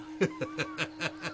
ハハハハ。